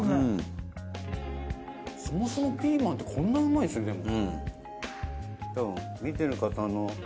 そもそもピーマンってこんなうまいんですねでも。